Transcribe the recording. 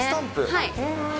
はい。